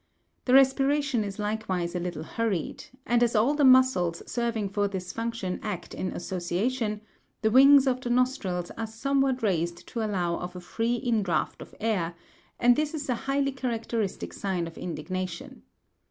The respiration is likewise a little hurried; and as all the muscles serving for this function act in association, the wings of the nostrils are somewhat raised to allow of a free indraught of air; and this is a highly characteristic sign of indignation.